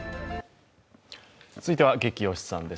続いては「ゲキ推しさん」です。